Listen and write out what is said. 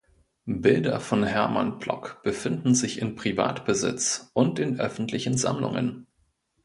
Bilder von Hermann Plock befinden sich in Privatbesitz und in öffentlichen Sammlungen.